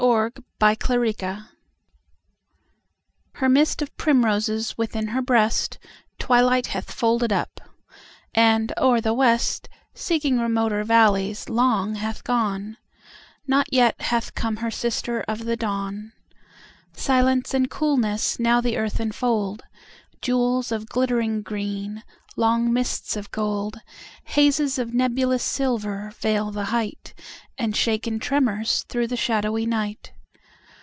A Summer Night HER mist of primroses within her breastTwilight hath folded up, and o'er the west, Seeking remoter valleys long hath gone, Not yet hath come her sister of the dawn. Silence and coolness now the earth enfold, Jewels of glittering green, long mists of gold, Hazes of nebulous silver veil the height, And shake in tremors through the shadowy night.